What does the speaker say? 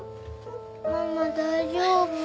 ママ大丈夫？